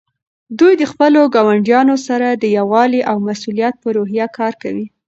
دوی د خپلو ګاونډیانو سره د یووالي او مسؤلیت په روحیه کار کوي.